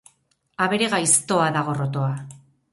Abere gaiztoa da gorrotoa.